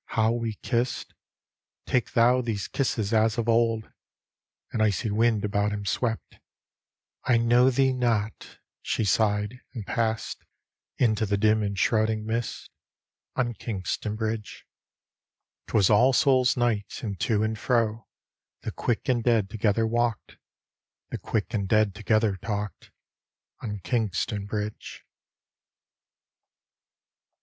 — how we kissed? — Take thou these kisses as of old !" An icy wind about him swept; " I know thee not," she sighed, and passed Into the dim and shrouding mist On Kingston Bridge. D,gt,, erihyGOOgle The Haunted Hour 'Twas All Souls' Night, and to and fro The quick and dead together walked, The quick and dead together talked, On Kingston Bridge.